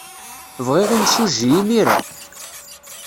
Bɣiɣ imsujji imir-a!